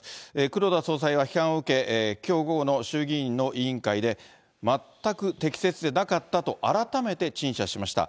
黒田総裁は批判を受け、きょう午後の衆議院の委員会で全く適切でなかったと改めて陳謝しました。